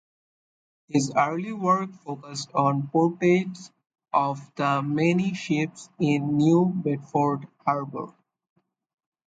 His early work focused on portraits of the many ships in New Bedford Harbor.